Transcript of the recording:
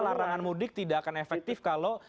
larangan mudik tidak akan efektif kalau